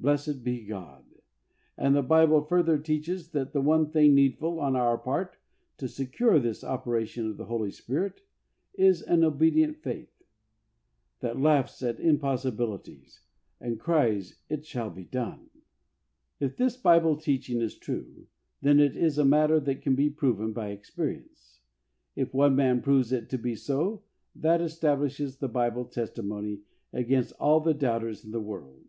Blessed be God! And the Bible further teaches that the one thing needful on our part to secure this operation of the Holy Spirit is an obedient faith "that laughs at impossibilities, and cries it shall be done.'' If this Bible teaching is true, then it is a matter that can be proven by experience. If one man proves it to be so, that establishes the Bible testimony against all the doubters in the world.